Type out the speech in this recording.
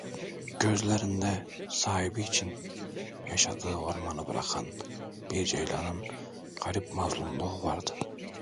Gözlerinde, sahibi için, yaşadığı ormanı bırakan bir ceylanın garip mahzunluğu vardı.